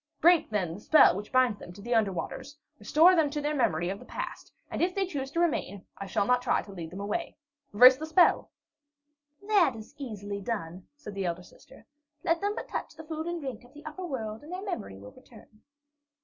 Break, then, the spell which binds them to the under waters, restore to them their memory of the past, and if then they choose to remain, I shall not try to lead them away. Reverse the spell!" "That is easily done," said the elder sister. "Let them but touch the food or drink of the upper world and their memory will return."